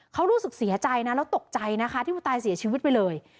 เขารู้สึกเสียใจนะแล้วตกใจนะคะที่ผู้ตายเสียชีวิตไปเลย